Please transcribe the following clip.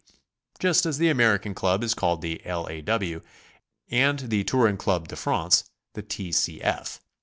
just as the American club is called the L. A. W., and the Touring Club de France the T. C. F.